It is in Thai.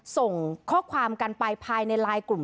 ส่งข้อความกันไปภายในไลน์กลุ่ม